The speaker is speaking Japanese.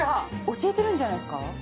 教えてるんじゃないですか？